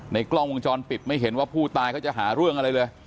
กล้องวงจรปิดไม่เห็นว่าผู้ตายเขาจะหาเรื่องอะไรเลย